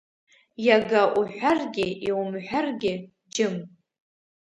Иага уҳәаргьы-иумҳәаргьы, џьым…